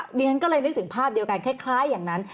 ดิฉันก็เลยนึกถึงภาพเดียวกันคล้ายอย่างนั้น